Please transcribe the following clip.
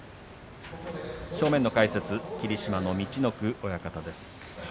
正面の解説、霧島の陸奥親方です。